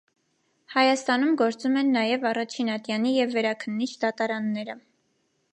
Հայաստանում գործում են նաև առաջին ատյանի և վերաքննիչ դատարանները։